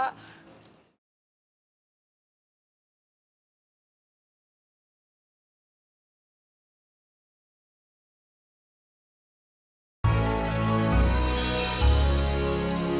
kau memungkinkan aku